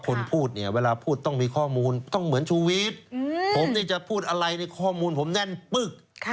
คนพูดเนี่ยเวลาพูดต้องมีข้อมูลต้องเหมือนชูวิทย์ผมเนี่ยจะพูดอะไรในข้อมูลผมแน่นปึ๊ก